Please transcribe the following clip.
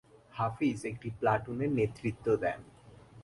হাফিজ একটি প্লাটুনের নেতৃত্ব দেন।